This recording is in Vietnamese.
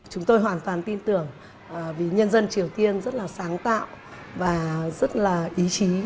chúng tôi hoàn toàn tin tưởng vì nhân dân triều tiên rất là sáng tạo và rất là ý chí